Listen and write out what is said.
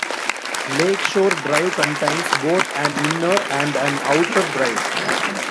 Lake Shore Drive contains both an inner and an outer drive.